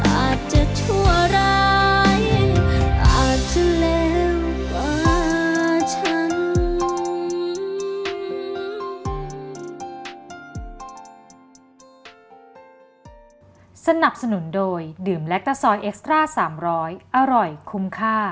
อาจจะชั่วร้ายอาจจะเลวกว่าฉัน